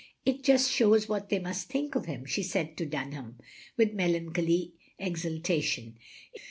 It just shows what they must think of him, " she said to Dunham, with melancholy extiltation.